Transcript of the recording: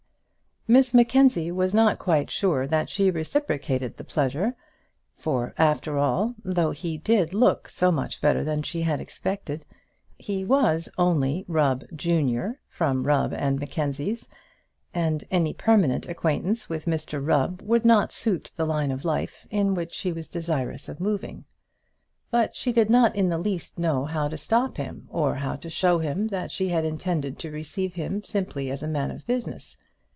Miss Mackenzie was not quite sure that she reciprocated the pleasure; for, after all, though he did look so much better than she had expected, he was only Rubb, junior, from Rubb and Mackenzie's; and any permanent acquaintance with Mr Rubb would not suit the line of life in which she was desirous of moving. But she did not in the least know how to stop him, or how to show him that she had intended to receive him simply as a man of business.